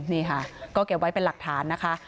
นี่ค่ะก็เก็บไว้เป็นหลักฐานนะคะ